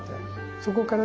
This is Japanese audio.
そこからですね